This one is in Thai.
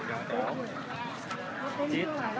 สวัสดีครับ